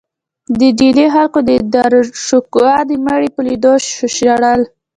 د ډیلي خلکو د داراشکوه د مړي په لیدو ژړل.